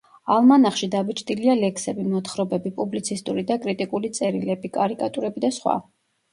ალმანახში დაბეჭდილია ლექსები, მოთხრობები, პუბლიცისტური და კრიტიკული წერილები, კარიკატურები და სხვა.